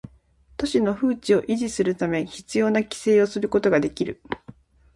都市の風致を維持するため必要な規制をすることができる